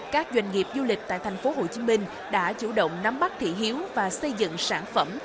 các doanh nghiệp du lịch tại tp hcm đã chủ động nắm bắt thị hiếu và xây dựng sản phẩm